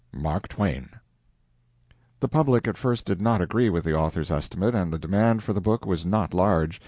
MARK TWAIN." The public at first did not agree with the author's estimate, and the demand for the book was not large.